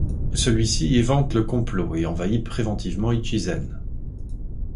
Celui-ci évente le complot, et envahit préventivement Ichizen.